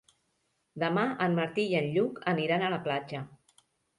Demà en Martí i en Lluc aniran a la platja.